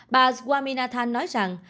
bà swaminathan nói rằng